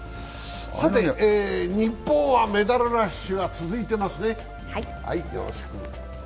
さて日本はメダルラッシュが続いていますね。